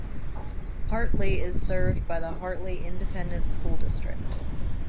Hartley is served by the Hartley Independent School District.